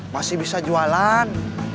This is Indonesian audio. masih bisa jualan